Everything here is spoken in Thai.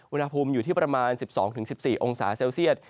อุณหภูมิอยู่ที่ประมาณ๑๒๑๔องศาเซลเซียต